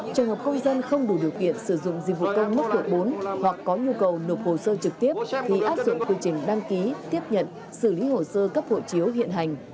trường hợp công dân không đủ điều kiện sử dụng dịch vụ công mức độ bốn hoặc có nhu cầu nộp hồ sơ trực tiếp thì áp dụng quy trình đăng ký tiếp nhận xử lý hồ sơ cấp hộ chiếu hiện hành